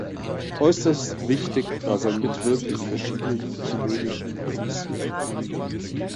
Äußerst wichtig war sein Mitwirken in verschiedenen ökumenischen Kommissionen.